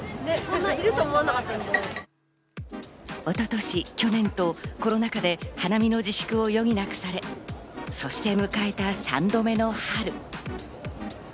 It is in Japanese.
一昨年、去年とコロナ禍で花見の自粛を余儀なくされ、そして迎えた３度目の春。